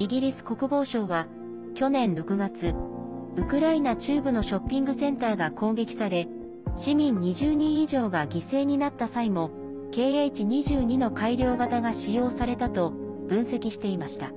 イギリス国防省は、去年６月ウクライナ中部のショッピングセンターが攻撃され市民２０人以上が犠牲になった際も「Ｋｈ‐２２」の改良型が使用されたと分析していました。